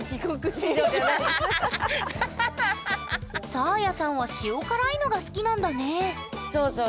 サーヤさんは塩辛いのが好きなんだねそうそう。